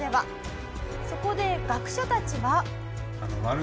そこで学者たちは。